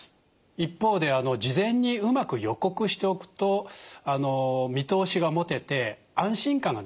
一方で事前にうまく予告しておくと見通しが持てて安心感が出るんですね。